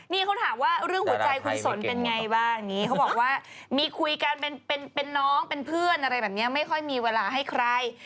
นี่เขาถามว่าเรื่องหัวใจคุณสนเป็นไงบ้างอย่างนี้เขาบอกว่ามีคุยกันเป็นน้องเป็นเพื่อนอะไรแบบนี้ไม่ค่อยมีเวลาให้ใคร